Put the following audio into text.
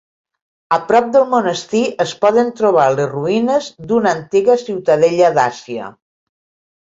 A prop del monestir es poden trobar les ruïnes d'una antiga ciutadella dàcia.